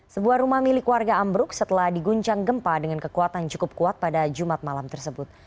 sebuah rumah milik warga ambruk setelah diguncang gempa dengan kekuatan cukup kuat pada jumat malam tersebut